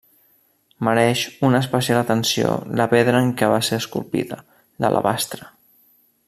Mereix una especial atenció la pedra en què va ser esculpida: l'alabastre.